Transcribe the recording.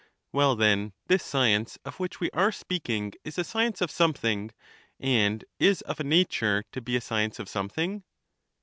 Well then, this science of which we are speaking is a science of something, and is of a nature to be a science of something?